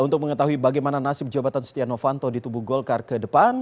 untuk mengetahui bagaimana nasib jabatan setia novanto di tubuh golkar ke depan